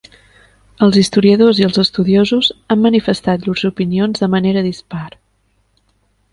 Els historiadors i els estudiosos han manifestat llurs opinions de manera dispar.